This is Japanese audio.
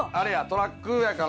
トラックやから。